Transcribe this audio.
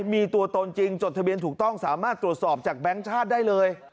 มีตัวตนจริงจดทะเบียนถูกต้องสามารถตรวจสอบจากแบงค์ชาติได้เลย